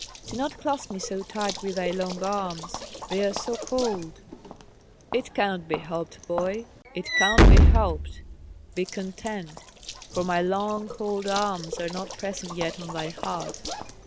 "Do not clasp me so tight with thy long arms, they are so cold." "It cannot be helped, boy; it cannot be helped. Be content. For my long cold arms are not pressing yet on thy heart."